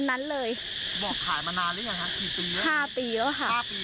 ๕ปีแล้วค่ะ